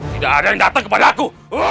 tidak ada yang datang kepadaku